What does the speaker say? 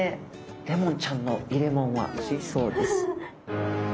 レモンちゃんの入れもんは水槽です。